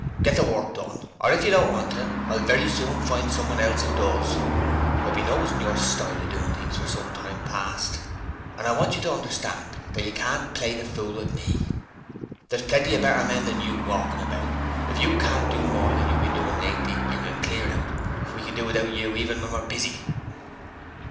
Get the work done! Or if you don't want to, I'll very soon find someone else who does! I've been noticing your style of doing things for some time past and I want you to understand that you can't play the fool with me. There's plenty of better men than you walking about. If you can't do more than you've been doing lately you can clear out; we can do without you even when we're busy.'